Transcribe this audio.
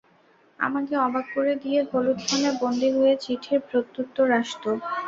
আমাকে অবাক করে দিয়ে হলুদ খামে বন্দী হয়ে চিঠির প্রত্যুত্তর আসত।